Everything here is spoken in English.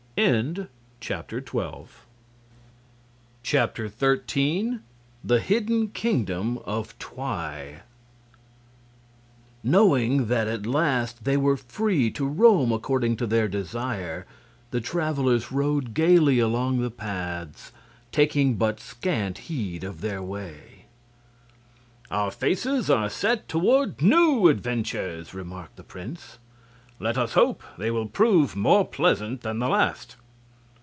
13. The Hidden Kingdom of Twi Knowing that at last they were free to roam according to their desire, the travelers rode gaily along the paths, taking but scant heed of their way. "Our faces are set toward new adventures," remarked the prince. "Let us hope they will prove more pleasant than the last."